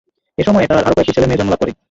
এ সময়ে তার আরো কয়েকটি ছেলে-মেয়ে জন্মলাভ করে।